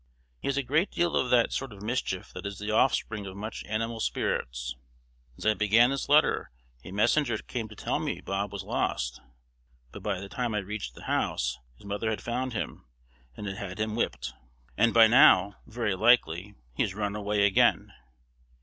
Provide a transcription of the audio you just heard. He has a great deal of that sort of mischief that is the offspring of much animal spirits. Since I began this letter, a messenger came to tell me Bob was lost; but by the time I reached the house his mother had found him, and had him whipped; and by now, very likely, he is run away again.